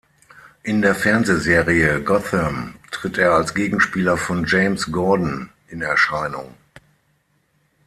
In der Fernsehserie "Gotham" tritt er als Gegenspieler von James Gordon in Erscheinung.